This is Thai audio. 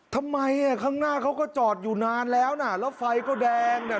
ทำไมอ่ะข้างหน้าเขาก็จอดอยู่นานแล้วนะแล้วไฟก็แดงเนี่ย